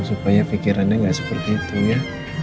supaya pikirannya nggak seperti itu ya